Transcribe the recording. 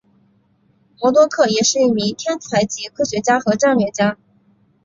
魔多客也是一名天才级科学家和战略家。